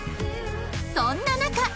そんな中